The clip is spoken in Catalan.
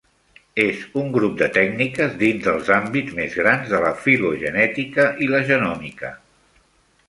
És un grup de tècniques dins dels àmbits més grans de la filogenètica i la genòmica.